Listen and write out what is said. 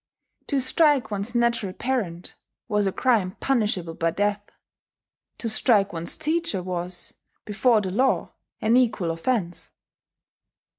To strike one's natural parent was a crime punishable by death: to strike one's teacher was, before the law, an equal offence.